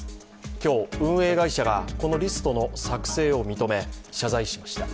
今日、運営会社がこのリストの作成を認め謝罪しました。